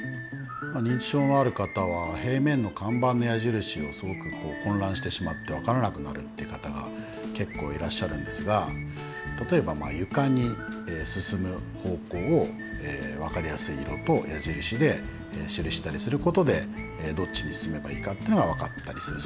認知症のある方は平面の看板の矢印をすごく混乱してしまって分からなくなるっていう方が結構いらっしゃるんですが例えば床に進む方向を分かりやすい色と矢印で記したりすることでどっちに進めばいいかっていうのが分かったりする。